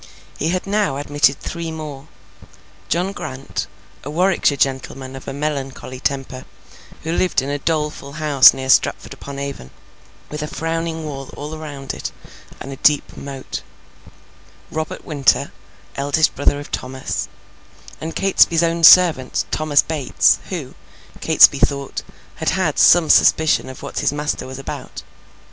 He had now admitted three more; John Grant, a Warwickshire gentleman of a melancholy temper, who lived in a doleful house near Stratford upon Avon, with a frowning wall all round it, and a deep moat; Robert Winter, eldest brother of Thomas; and Catesby's own servant, Thomas Bates, who, Catesby thought, had had some suspicion of what his master was about.